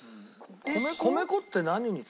米粉って何に使うの？